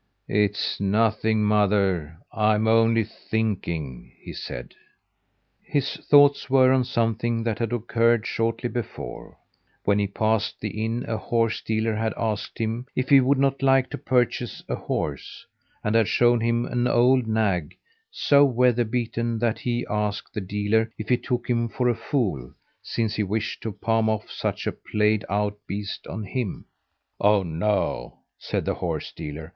"It's nothing, mother. I'm only thinking," he said. His thoughts were on something that had occurred shortly before: When he passed the inn a horse dealer had asked him if he would not like to purchase a horse, and had shown him an old nag so weather beaten that he asked the dealer if he took him for a fool, since he wished to palm off such a played out beast on him. "Oh, no!" said the horse dealer.